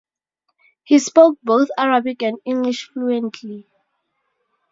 He spoke both Arabic and English fluently.